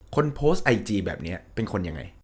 คนโพสต์ไอจีแบบนี้เป็นคนยังไง